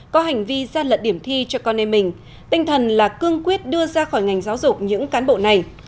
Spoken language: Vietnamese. có hành vi gian lận điểm thi cho con em mình tinh thần là cương quyết đưa ra khỏi ngành giáo dục những cán bộ này